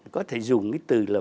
có thể dùng cái từ là